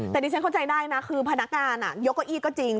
แต่ดิฉันเข้าใจได้นะคือพนักงานยกเก้าอี้ก็จริง